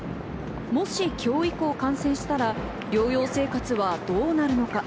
もし今日以降、感染したら療養生活はどうなるのか？